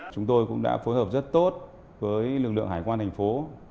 chúng tôi cũng đã phối hợp rất tốt với lực lượng hải quan thành phố